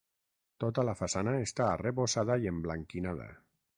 Tota la façana està arrebossada i emblanquinada.